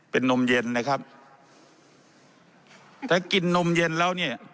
เป็นนมเย็นนะครับถ้ากินนมเย็นแล้วเนี่ย